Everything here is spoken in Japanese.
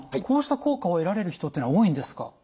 こうした効果を得られる人っていうのは多いんですか？